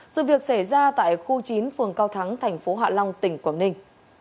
sự việc xảy ra tại khu chín phường cao thắng thành phố hạ long tỉnh quảng ninh